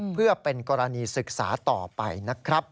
เพื่อเป็นกรณีศึกษาต่อไปนะครับ